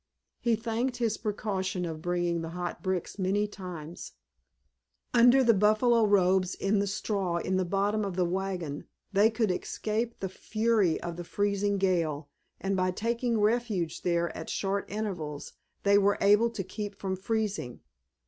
He thanked his precaution of bringing the hot bricks many times. Under the buffalo robes in the straw in the bottom of the wagon they could escape the fury of the freezing gale, and by taking refuge there at short intervals they were able to keep from freezing.